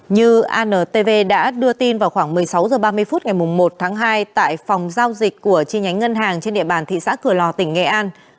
như antv đã đưa tin vào khoảng một mươi sáu h ba mươi phút ngày một tháng hai tại phòng giao dịch của chi nhánh ngân hàng trên địa bàn thị xã cửa lò tỉnh nghệ an